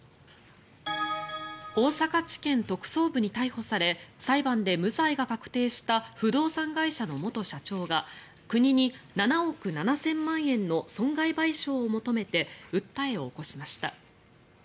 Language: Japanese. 大阪地検特捜部に逮捕され裁判で無罪が確定した不動産会社の元社長が国に７億７０００万円の損害賠償を求めて訴えを起こしました。